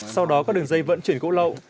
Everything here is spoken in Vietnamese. sau đó các đường dây vận chuyển gỗ lậu